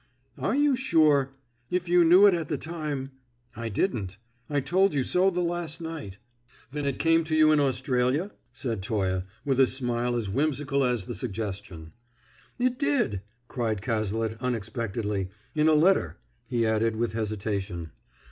"Are you sure? If you knew it at the time " "I didn't. I told you so the last night." "Then it came to you in Australia?" said Toye, with a smile as whimsical as the suggestion. "It did!" cried Cazalet unexpectedly. "In a letter," he added with hesitation.